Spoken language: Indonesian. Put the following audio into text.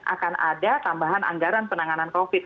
akan ada tambahan anggaran penanganan covid